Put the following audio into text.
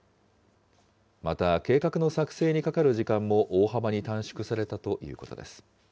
また計画の作成にかかる時間も大幅に短縮されたということです。